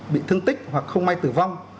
bị thương tích hoặc không may tử vong